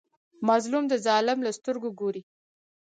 مظلوم د ظالم له سترګو ګوري.